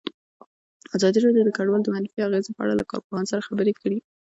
ازادي راډیو د کډوال د منفي اغېزو په اړه له کارپوهانو سره خبرې کړي.